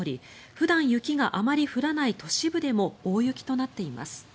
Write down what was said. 普段、雪があまり降らない都市部でも大雪となっています。